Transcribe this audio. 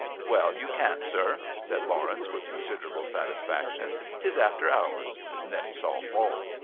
"Well, you can't, sir," said Lawrence, with considerable satisfaction. "'Tis after hours." Then he saw Falk.